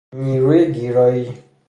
نیروی گیرایی